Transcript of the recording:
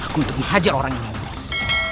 aku untuk menghajar orang yang hebat